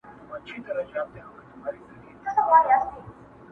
سرې لمبې په غېږ کي ګرځولای سي،